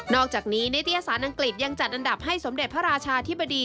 อกจากนี้นิตยสารอังกฤษยังจัดอันดับให้สมเด็จพระราชาธิบดี